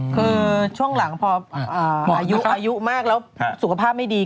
คือช่วงหลังพออายุมากแล้วสุขภาพไม่ดี